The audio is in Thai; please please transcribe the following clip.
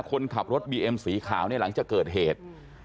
คนขับรถบีเอ็มสีขาวเนี่ยหลังจากเกิดเหตุ